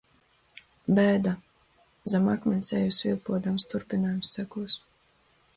Bēda zem akmens, eju svilpodams. Turpinājums sekos...